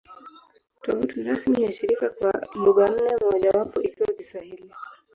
Tovuti rasmi ya shirika kwa lugha nne, mojawapo ikiwa Kiswahili